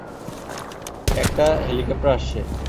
একটা হেলিকপ্টার আসছে!